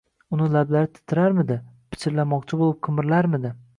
Uni lablari titrarmidi, pichirlamoqchi bo‘lib qimirlarmidi